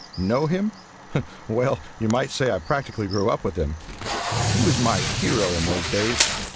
Know him? Well you might say I practically grew up with him. He was my hero in those days.